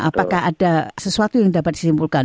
apakah ada sesuatu yang dapat disimpulkan